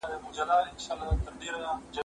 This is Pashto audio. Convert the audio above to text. ږغ واوره!